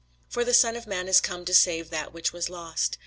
For the Son of man is come to save that which was lost.